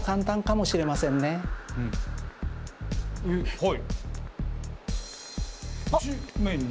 はい。